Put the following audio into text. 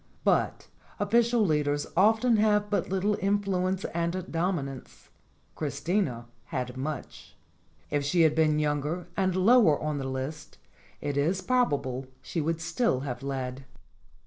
But official leaders often have but little influence and dominance: Chris tina had much. If she had been younger and lower on the list, it is probable she would still have led.